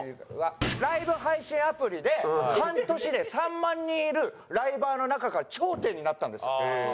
ライブ配信アプリで半年で３万人いるライバーの中から頂点になったんです。